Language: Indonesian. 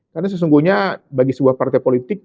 karena sesungguhnya bagi sebuah partai politik